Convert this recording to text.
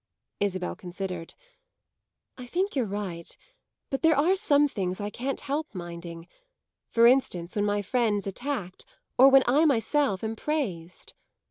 Isabel considered. "I think you're right; but there are some things I can't help minding: for instance when my friend's attacked or when I myself am praised."